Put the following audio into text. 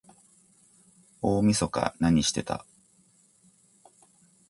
大晦日なにしてた？